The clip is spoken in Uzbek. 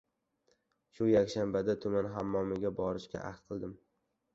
Shu yakshanbada tuman hammomiga borishga ahd qildi.